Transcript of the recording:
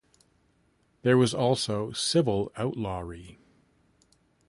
There was also civil outlawry.